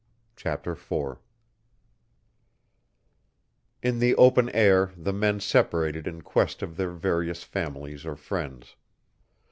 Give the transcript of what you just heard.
Chapter Four In the open air the men separated in quest of their various families or friends.